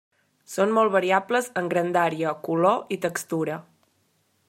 Són molt variables en grandària, color i textura.